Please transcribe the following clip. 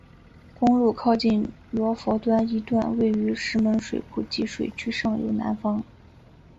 公路靠近罗浮端一段位于石门水库集水区上游南方。